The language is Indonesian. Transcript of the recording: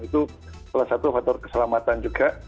itu salah satu faktor keselamatan juga